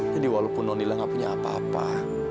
jadi walaupun nonila gak punya apa apa